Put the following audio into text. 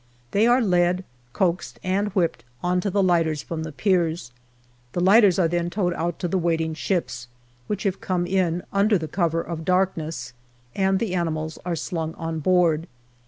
They are led, coaxed, and whipped on to the lighters from the piers. The lighters are then towed out to the waiting ships, which have come in under the cover of darkness, and the animals are slung on board.